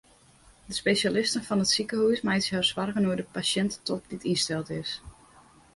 De spesjalisten fan it sikehús meitsje har soargen oer de pasjintestop dy't ynsteld is.